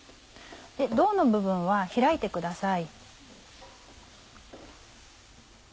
胴の部分は開いてください。